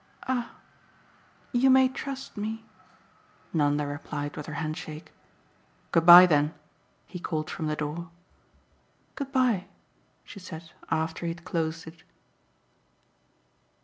"Ah you may trust me," Nanda replied with her handshake. "Good bye then!" he called from the door. "Good bye," she said after he had closed it.